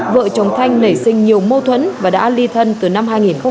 vợ chồng thanh nảy sinh nhiều mâu thuẫn và đã ly thân từ năm hai nghìn một mươi